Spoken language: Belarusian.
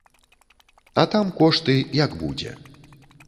А там кошты, як будзе.